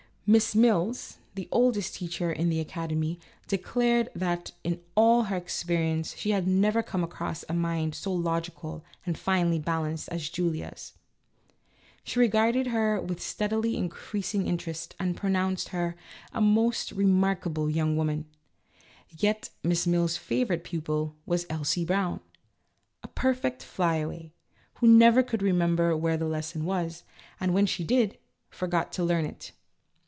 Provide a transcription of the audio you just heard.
Miss Mills, the oldest teacher at the academy, declared that in all her long experience she had never come across a mind so logical and finely balanced as Julia's ; she regarded her with steadily increasing interest, and pronounced her " a most re markable young woman," yet Miss Mills's favorite pupil was Elsie Brown, a perfect flyaway, who never could remember where the lesson was, and when she did, forgot to learn it.